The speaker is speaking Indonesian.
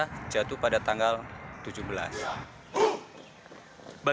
halnya kaitannya dengan hari kemerdekaan republik indonesia